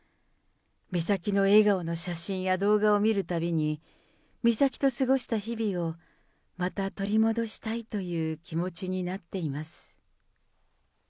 美咲の笑顔の写真や動画を見るたびに、美咲と過ごした日々をまた取り戻したいという気持ちになっています。